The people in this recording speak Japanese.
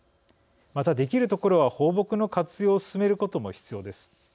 また、できるところは放牧の活用を進めることも必要です。